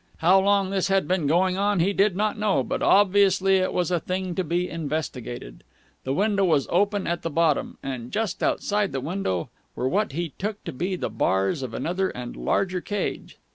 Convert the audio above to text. How long this had been going on he did not know, but obviously it was a thing to be investigated. The window was open at the bottom, and just outside the window were what he took to be the bars of another and larger cage.